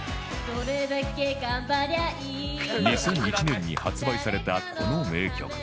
２００１年に発売されたこの名曲